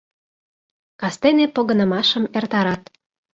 Кастене погынымашым эртарат.